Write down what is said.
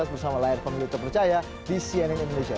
bersama layar pemilu terpercaya di cnn indonesia